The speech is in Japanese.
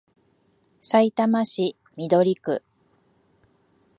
さいたま市緑区